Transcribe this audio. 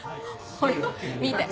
ほら見て。